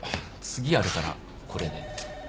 次あるからこれで。